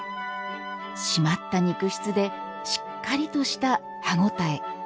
締まった肉質でしっかりとした歯ごたえ。